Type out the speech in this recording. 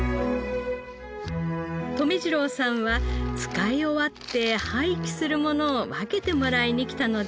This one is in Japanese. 留次郎さんは使い終わって廃棄するものを分けてもらいに来たのです。